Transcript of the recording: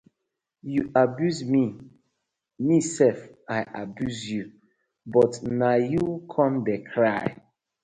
Yu abuse mi mi sef I abuse yu but na yu com de cry.